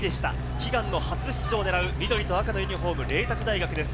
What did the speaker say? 悲願の初出場を狙う、緑と赤のユニホーム、麗澤大学です。